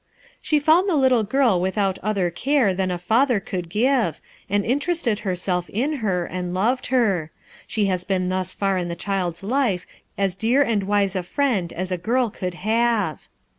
"She found the little girl without other care than a father could give, and interested herself in her, and loved, her. She has been thus far in the child's life as dear and wise a friend as a girl could have."